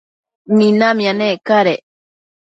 minamia nec cadec